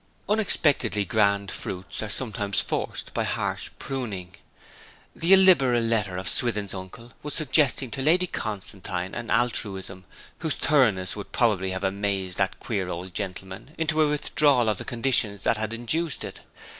Unexpectedly grand fruits are sometimes forced forth by harsh pruning. The illiberal letter of Swithin's uncle was suggesting to Lady Constantine an altruism whose thoroughness would probably have amazed that queer old gentleman into a withdrawal of the conditions that had induced it.